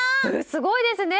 すごいですね。